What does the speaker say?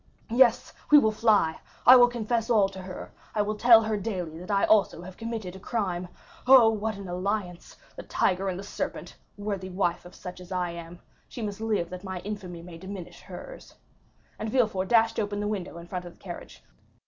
Yes, we will fly; I will confess all to her,—I will tell her daily that I also have committed a crime!—Oh, what an alliance—the tiger and the serpent; worthy wife of such as I am! She must live that my infamy may diminish hers." And Villefort dashed open the window in front of the carriage.